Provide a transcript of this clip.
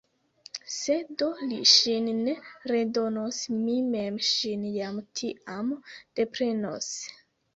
Se do li ŝin ne redonos, mi mem ŝin jam tiam deprenos.